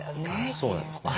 そうなんですね。